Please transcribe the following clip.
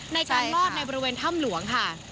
ในการลอดในบริเวณถ้ำหลวงค่ะ